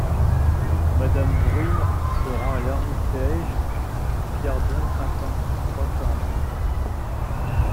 Madame Bruyn se rend à l’ermitaige Pierdon cinquante-trois quarante-neuf.